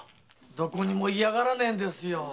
どこにもいねえんですよ。